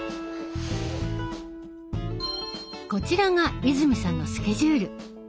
こちらが泉さんのスケジュール。